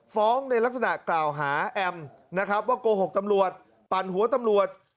ในลักษณะกล่าวหาแอมนะครับว่าโกหกตำรวจปั่นหัวตำรวจ